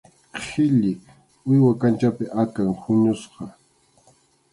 Qhilli, uywa kanchapi akan huñusqa.